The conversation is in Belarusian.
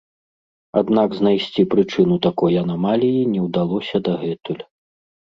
Аднак знайсці прычыну такой анамаліі не ўдалося дагэтуль.